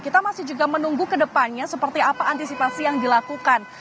kita masih juga menunggu ke depannya seperti apa antisipasi yang dilakukan